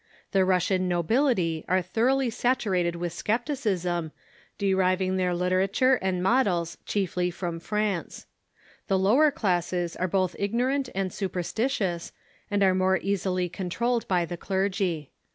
The Russian nobility are Church thoroughly saturated with scepticism, deriving their literature and models chiefly from France. The lower classes are both ignorant and superstitious, and are more easily controlled by the clergy.